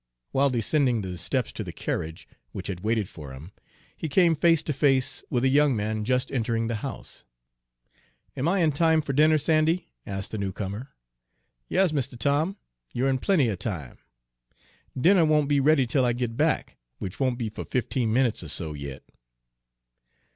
While descending the steps to the carriage, which had waited for him, he came face to face with a young man just entering the house. "Am I in time for dinner, Sandy?" asked the newcomer. "Yas, Mistuh Tom, you're in plenty er time. Dinner won't be ready till I git back, which won' be fer fifteen minutes er so yit."